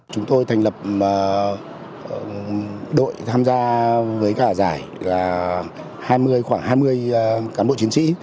chúng tôi thành lập đội tham gia với cả giải là khoảng hai mươi cán bộ chiến sĩ